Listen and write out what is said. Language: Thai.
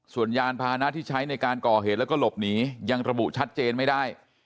ส่วนยานพานะที่ใช้ในการก่อเหตุแล้วก็หลบหนียังระบุชัดเจนไม่ได้